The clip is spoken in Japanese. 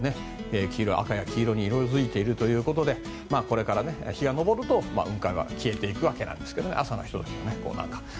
赤や黄色に色づいているということでこれから日が昇ると雲海が消えていくわけなんですが朝のひと時で。